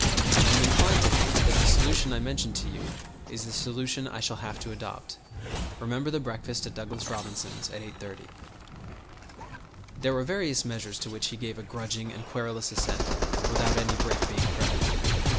I am inclined to think that the solution I mentioned to you is the solution I shall have to adopt. Remember the breakfast at Douglas Robinson's at 8:30." There were various measures to which he gave a grudging and querulous assent without any break being threatened.